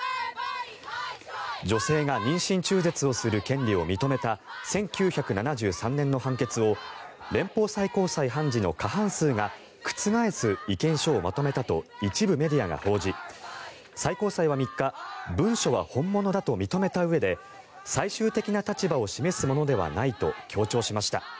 女性が妊娠中絶をする権利を認めた１９７３年の判決を連邦最高裁判事の過半数が覆す意見書をまとめたと一部メディアが報じ最高裁は３日文書は本物だと認めたうえで最終的な立場を示すものではないと強調しました。